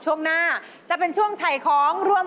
จำนำครับ